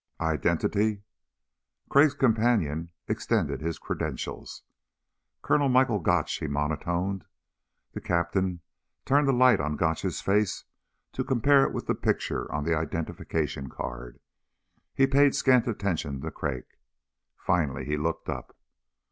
"Identity?" Crag's companion extended his credentials. "Colonel Michael Gotch," he monotoned. The Captain turned the light on Gotch's face to compare it with the picture on the identification card. He paid scant attention to Crag. Finally he looked up.